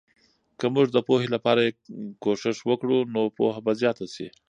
که موږ د پوهې لپاره یې کوښښ وکړو، نو پوهه به زیاته سي.